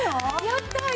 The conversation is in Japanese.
やったー！